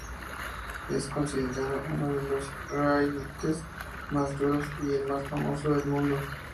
Es considerado uno de los "rallyes" más duros y el más famoso del mundo.